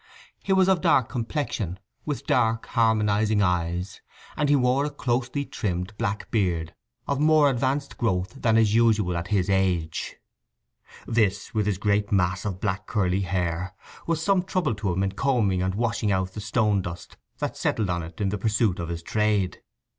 He was of dark complexion, with dark harmonizing eyes, and he wore a closely trimmed black beard of more advanced growth than is usual at his age; this, with his great mass of black curly hair, was some trouble to him in combing and washing out the stone dust that settled on it in the pursuit of his trade.